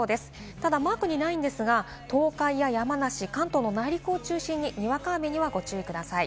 ただマークにないんですが、東海や山梨、関東の内陸を中心ににわか雨にはご注意ください。